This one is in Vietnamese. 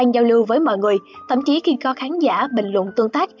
các khán giả bình luận tương tác